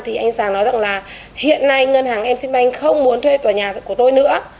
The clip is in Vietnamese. thì anh sàng nói rằng là hiện nay ngân hàng ship bank không muốn thuê tòa nhà của tôi nữa